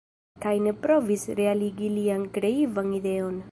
Kaj ni provis realigi lian kreivan ideon.